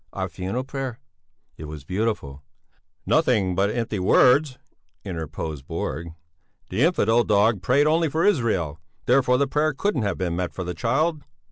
"Our funeral prayer!" "It was beautiful!" "Nothing but empty words," interposed Borg. "The infidel dog prayed only for Israel; therefore the prayer couldn't have been meant for the child."